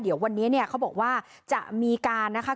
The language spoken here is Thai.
เดี๋ยววันนี้เนี่ยเขาบอกว่าจะมีการนะคะ